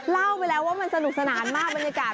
เล่าไปแล้วว่ามันสนุกสนานมากบรรยากาศ